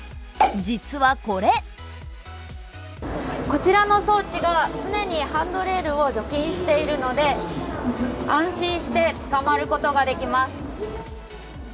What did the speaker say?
実はこれこちらの装置が常にハンドレールを除菌しているので安心してつかまることができます。